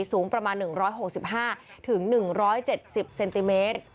สูงประมาณ๑๖๕๑๗๐เซนติเมตร